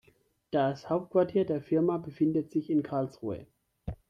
Das Hauptquartier der Firma befindet sich in Karlsruhe